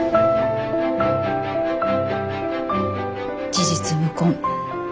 事実無根。